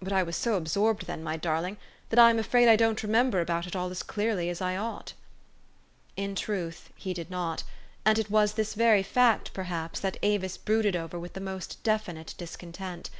But I was so absorbed then, my darling, that I am afraid I don't remember about it all as clearly as I ought." 268 THE STORY OF AVIS. In truth he did not ; and it was this very fact, perhaps, that Avis brooded over with the most definite discontent.